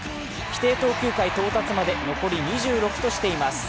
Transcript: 規定投球回到達まで残り２６としています。